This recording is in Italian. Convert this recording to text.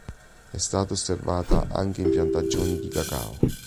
È stata osservata anche in piantagioni di cacao.